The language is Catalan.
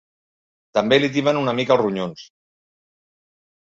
També li tiben una mica els ronyons.